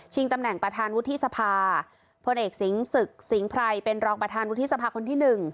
ตำแหน่งประธานวุฒิสภาพพลเอกสิงศึกสิงห์ไพรเป็นรองประธานวุฒิสภาคนที่๑